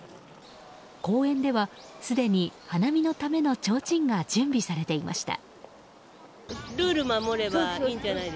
公園では、すでに花見のためのちょうちんが準備されていました。